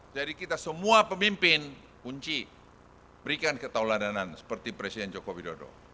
jadi kita semua pemimpin kunci berikan ketauladanan seperti presiden joko widodo